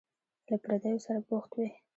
له پردیو سره بوخت وي.